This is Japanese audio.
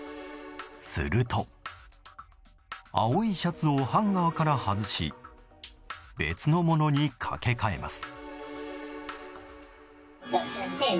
すると青いシャツをハンガーから外し別のものにかけ替えます。